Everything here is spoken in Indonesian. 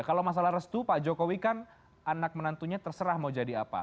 kalau masalah restu pak jokowi kan anak menantunya terserah mau jadi apa